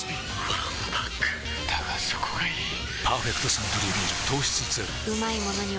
わんぱくだがそこがいい「パーフェクトサントリービール糖質ゼロ」